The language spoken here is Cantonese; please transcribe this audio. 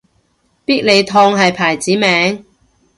必理痛係牌子名